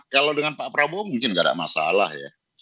kalau dengan pak prabowo mungkin nggak ada masalah ya